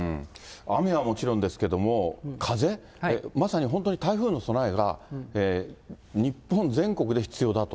雨はもちろんですけども、風、まさに本当に台風の備えが日本全国で必要だと。